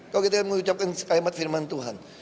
kalau kita mengucapkan kalimat firman tuhan